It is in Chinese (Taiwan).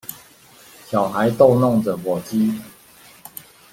小孩逗弄著火雞